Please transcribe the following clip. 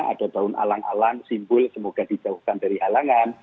ada daun alang alang simbol semoga dijauhkan dari halangan